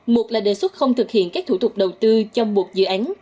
một là đề xuất không thực hiện các thủ tục đầu tư trong một dự án